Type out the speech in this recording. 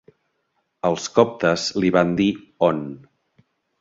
Els coptes li van dir On.